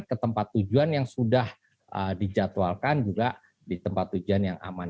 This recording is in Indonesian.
ke tempat tujuan yang sudah dijadwalkan juga di tempat tujuan yang aman